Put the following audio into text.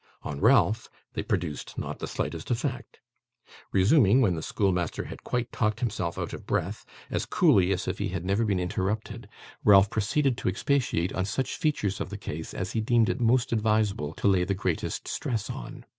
On Ralph they produced not the slightest effect. Resuming, when the schoolmaster had quite talked himself out of breath, as coolly as if he had never been interrupted, Ralph proceeded to expatiate on such features of the case as he deemed it most advisable to lay the greatest stress on.